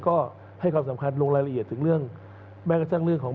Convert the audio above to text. ก็ให้ความสำคัญลงรายละเอียดถึงเรื่องแม้กระทั่งเรื่องของ